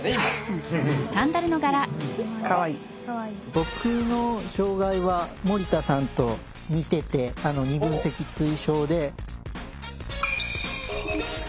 僕の障害は森田さんと似てて二分脊椎症で。